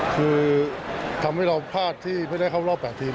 คือทำให้เราพลาดที่ไม่ได้เข้ารอบ๘ทีม